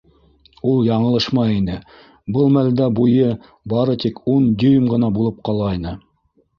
Ул яңылышмай ине —был мәлдә буйы бары тик ун дюйм ғына булып ҡалғайны.